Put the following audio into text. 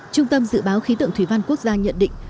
trung tâm dự báo khí tượng thủy văn quốc gia nhận định